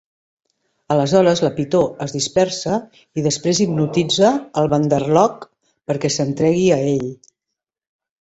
Aleshores la pitó es dispersa, i després hipnotitza el Bandar-log perquè s'entregui a ell.